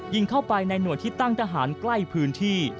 ยิงเข้าไปในหน่วยที่ตั้งทหารใกล้พื้นที่